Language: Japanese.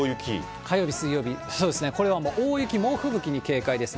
火曜日、水曜日、そうですね、これは大雪、猛吹雪に警戒ですね。